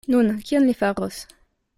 Nun, kion li faros?